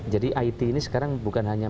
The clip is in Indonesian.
jadi it ini sekarang bukan hanya